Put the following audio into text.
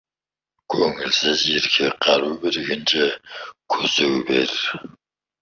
Көңілсіз ерге қару бергенше, көсеу бер.